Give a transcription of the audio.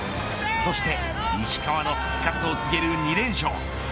そして石川の復活を告げる２連勝。